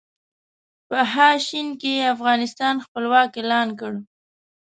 په ه ش کې یې افغانستان خپلواک اعلان کړ.